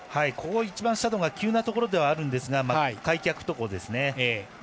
ここが一番斜度が急なところではあるんですが開脚徒歩ですね。